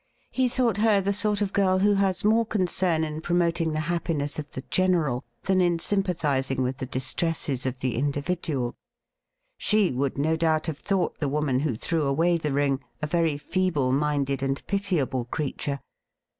He thought her the sort of girl who has more concern in pro moting the happiness of the general than in sympathizing 5 66 THE RIDDLE RING with the distresses of the individual. She would no doubt have thought the woman who threw away the ring a very feeble minded and pitiable creature.